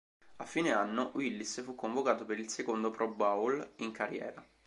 A fine anno, Willis fu convocato per il secondo Pro Bowl in carriera.